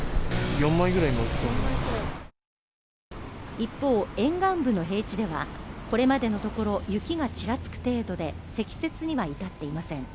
一方沿岸部の平地ではこれまでのところ雪がちらつく程度で積雪には至っていません